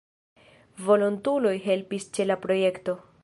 Volontuloj helpis ĉe la projekto.